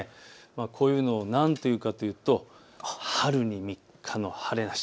こういうのを何というかというと春に３日の晴れなし。